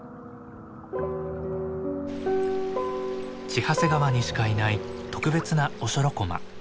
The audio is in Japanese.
千走川にしかいない特別なオショロコマ。